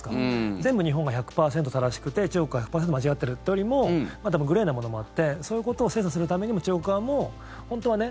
全部、日本が１００％正しくて中国が１００％間違ってるというよりも多分、グレーなものもあってそういうことを精査するためにも中国側も、本当はね